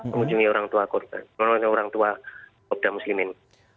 mengunjungi orang tua kopda m muslimin